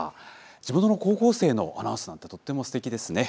地元の高校生のアナウンスなんて、とってもすてきですね。